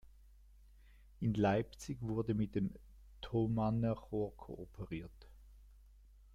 In Leipzig wurde mit dem Thomanerchor kooperiert.